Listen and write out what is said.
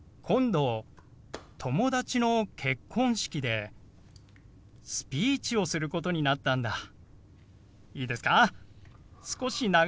今度友達の結婚式でスピーチをすることになったんだ。